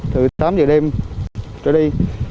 từ tám giờ đêm trở đi